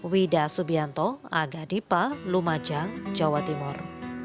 wida subianto aga dipa lumajang jawa timur